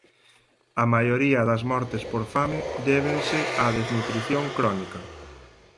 A maioría das mortes por fame débense a desnutrición crónica.